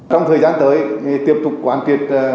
trong thời gian tới tiếp tục hoàn thiện